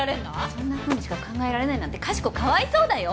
そんなふうにしか考えられないなんてかしこかわいそうだよ。